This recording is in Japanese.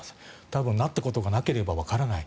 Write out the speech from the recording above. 多分、なったことがなければわからない。